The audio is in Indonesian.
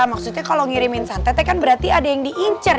maksudnya kalau ngirimin santet kan berarti ada yang diincer